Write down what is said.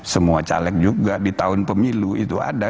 semua caleg juga di tahun pemilu itu ada